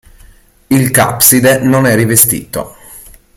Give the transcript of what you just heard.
Il capside non è rivestito.